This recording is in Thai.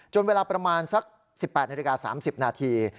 เวลาประมาณสัก๑๘นาฬิกา๓๐นาที